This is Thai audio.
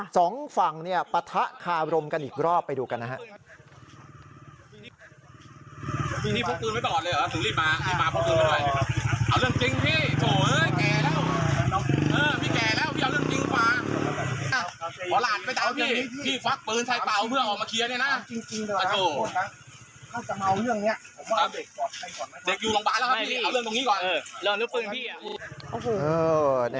สองฝั่งเนี่ยปะทะคารมกันอีกรอบไปดูกันนะครับ